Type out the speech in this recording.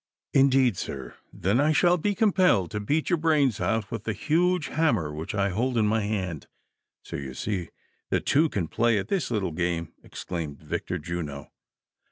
"Indeed, sir, then I shall be compelled to beat your brains out with the huge hammer which I hold in my hand ; so you see that two can play at this little game," exclaimed Victor Juno.